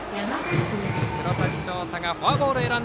黒崎翔太がフォアボールを選び